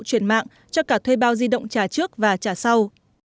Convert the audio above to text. chuyển mạng cho cả thuê bao di động trả trước và trả sau